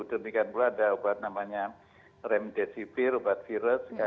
demikian pula ada obat namanya remdesivir obat virus